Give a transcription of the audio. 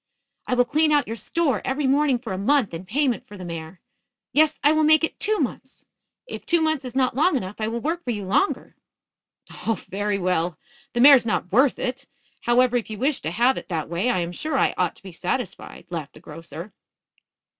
"I will clean out your store every morning for a month in payment for the mare. Yes, I will make it two months. If two months is not long enough, I will work for you longer." "Oh, very well. The mare's not worth it. However, if you wish to have it that way I am sure I ought to be satisfied," laughed the grocer.